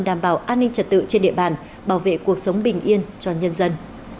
đảm bảo an ninh trật tự trên địa bàn bảo vệ cuộc sống bình yên cho nhân dân